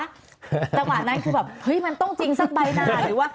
จังหวะนั้นคือแบบเฮ้ยมันต้องจริงสักใบหน้าหรือว่า